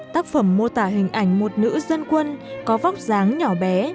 tác phẩm mô tả hình ảnh một nữ dân quân có vóc dáng nhỏ bé